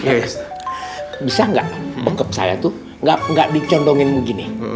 eh bisa gak bekap saya tuh gak dicondongin begini